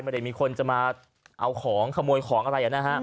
ไม่ได้มีคนจะมาเอาของขโมยของอะไรนะฮะ